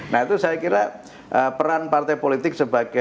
nah itu saya kira peran partai politik sebagai